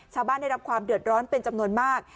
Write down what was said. ได้รับความเดือดร้อนเป็นจำนวนมาก